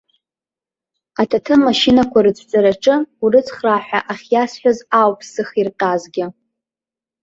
Аҭаҭын машьынақәа рыцәҵараҿы урыцхраа ҳәа ахьиасҳәаз ауп сзыхирҟьазгьы.